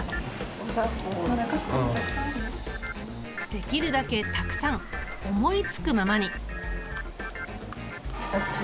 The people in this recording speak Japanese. できるだけたくさん思いつくままに。